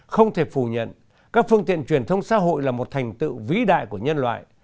không thể phủ nhận các phương tiện truyền thông xã hội là một thành tựu vĩ đại của nhân loại